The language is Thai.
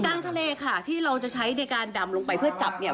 กลางทะเลค่ะที่เราจะใช้ในการดำลงไปเพื่อจับเนี่ย